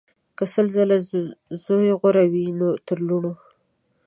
که سل ځله زویه غوره وي تر لوڼو